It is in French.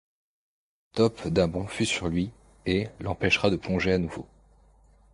Top d’un bond fut sur lui, et l’empêcha de plonger à nouveau.